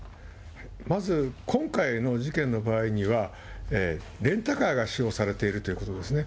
まず今回の事件の場合には、レンタカーが使用されているということですね。